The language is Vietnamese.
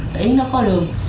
thì nó có đường